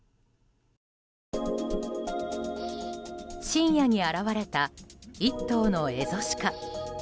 深夜に現れた１頭のエゾシカ。